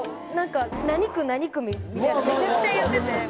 何区何区みたいなめちゃくちゃ言ってて。